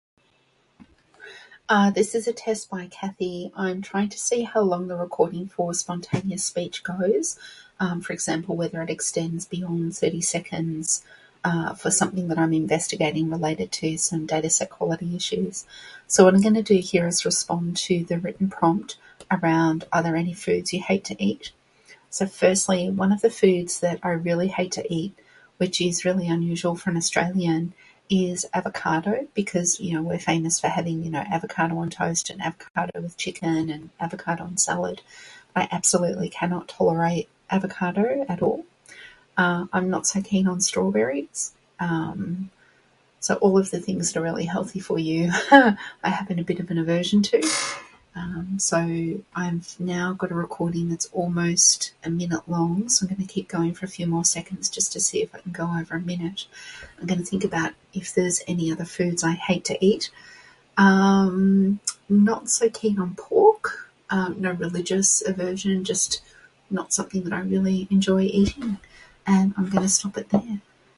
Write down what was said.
"Uh, this is a test by Cathy. I'm trying to see how long the recording for spontaneous speech goes. Um, for example, whether it extends beyond thirty seconds, uh, for something that I'm investigating related to some dataset quality issues. So, what I'm gonna do here is respond to the written prompt around, ""Are there any foods you hate to eat?"" So, firstly, one of the foods that I really hate to eat, which is really unusual for an Australian, is avocado. Because, you know, we're famous for having, you know, avocado on toast and avocado with chicken and avocado on salad. I absolutely cannot tolerate avocado at all. Uh, I'm not so keen on strawberries. Um, so, all of the things that are really healthy for you I have a bit of an aversion to. Um, so, I've now got a recording that's almost a minute long, so I'm gonna keep going for a few more seconds just to see if I can go over a minute. I'm gonna think about if there's any other foods I hate to eat. Um, not so keen on pork. Um, not a religious aversion, just not something that I really enjoy eating. And I'm gonna stop it there."